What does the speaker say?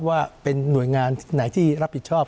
ว่าเป็นหน่วยงานไหนที่รับผิดชอบ